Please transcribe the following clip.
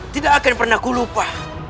tidak akan pernah kulupa